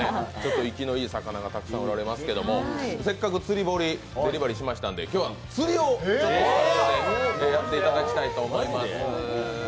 生きのいい魚がたくさんおられますけれども、せっかく釣堀デリバリーしましたので、今日は釣りをここでやっていただきたいと思います。